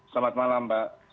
selamat malam mbak